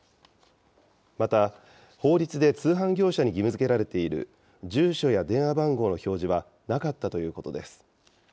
また、法律で通販業者に義務づけられている、住所や電話番号の表示はなかったということです。